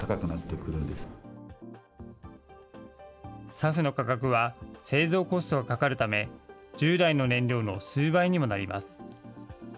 ＳＡＦの価格は、製造コストがかかるため、従来の燃料の数倍にもなります。